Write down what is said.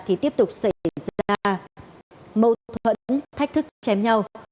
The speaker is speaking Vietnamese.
thì tiếp tục xảy ra mâu thuẫn thách thức chém nhau